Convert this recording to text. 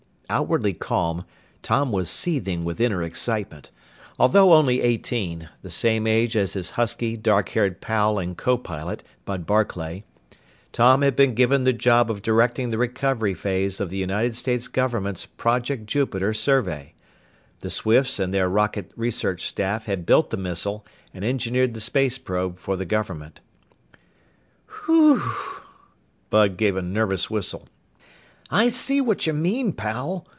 Outwardly calm, Tom was seething with inner excitement. Although only eighteen the same age as his husky, dark haired pal and copilot, Bud Barclay Tom had been given the job of directing the recovery phase of the United States government's Project Jupiter survey. The Swifts and their rocket research staff had built the missile and engineered the space probe for the government. "Whew!" Bud gave a nervous whistle. "I see what you mean, pal.